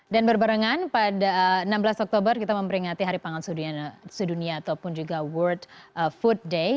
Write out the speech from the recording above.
dan berbarengan pada enam belas oktober kita memperingati hari panggal sudunia ataupun juga world food day